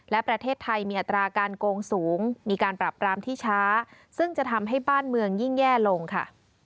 และประเทศไทยมีอัตราการโกงสูงมีการปรับปรามที่ช้าซึ่งจะทำให้บ้านเมืองยิ่งแย่ลงค่ะ